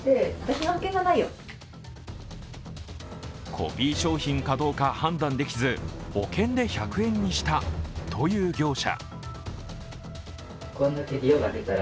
コピー商品かどうか判断できず、保険で１００円にしたという業者。